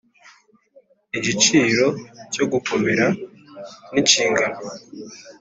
igiciro cyo gukomera ninshingano